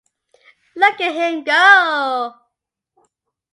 Look at him go!